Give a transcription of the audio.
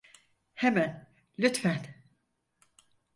Hemen lütfen.